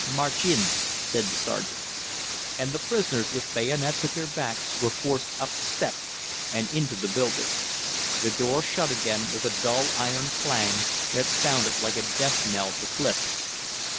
"March in," said the sergeant. And the prisoners, with bayonets at their backs, were forced up the steps and into the building. The door shut again with a dull iron clang that sounded like a death knell to Clif.